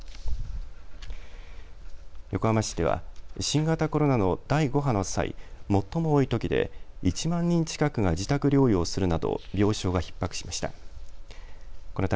横浜市では新型コロナの第５波の際、最も多い時で１万人近くが自宅療養するなど病床がひっ迫しました。